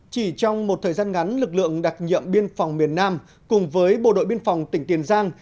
chỉ trong một thời gian ngắn lực lượng đặc nhiệm biên phòng miền nam cùng với bộ đội biên phòng tỉnh tiền giang